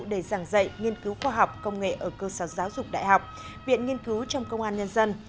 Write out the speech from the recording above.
để giảng dạy nghiên cứu khoa học công nghệ ở cơ sở giáo dục đại học viện nghiên cứu trong công an nhân dân